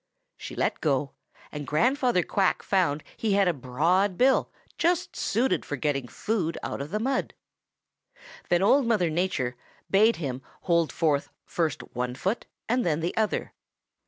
She let go, and Grandfather Quack found he had a broad bill just suited for getting food out of the mud. Then Old Mother Nature bade him hold forth first one foot and then the other.